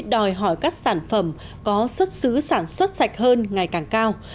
đòi hỏi các sản phẩm có xuất xứ sản xuất sạch hơn ngày càng cao